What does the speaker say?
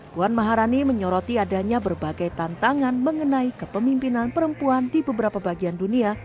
puan maharani menyoroti adanya berbagai tantangan mengenai kepemimpinan perempuan di beberapa bagian dunia